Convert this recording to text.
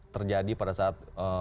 terjadi pada saat